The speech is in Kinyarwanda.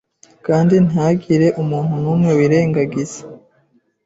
Kandi nthagire umuntu numwe mwirengagiza